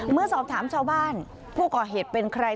เมื่อสอบถามชาวบ้านผู้ก่อเหตุเป็นใคร